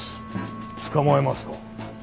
捕まえますか？